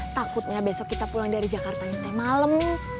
takutnya besok kita pulang dari jakarta yang teh malem